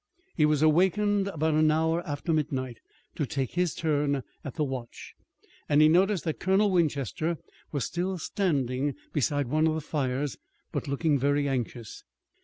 He was awakened about an hour after midnight to take his turn at the watch, and he noticed that Colonel Winchester was still standing beside one of the fires, but looking very anxious.